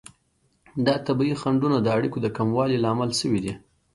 دا طبیعي خنډونه د اړیکو د کموالي لامل شوي دي.